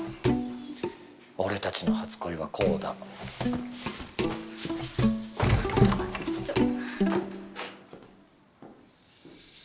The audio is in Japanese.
俺たちの初恋はこうだあっちょ何？